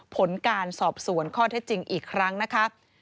ผลการสอบสวนข้อเท็จจริงอีกครั้งนะคะ